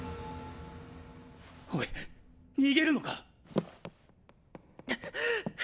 おい逃げるのか⁉ッ！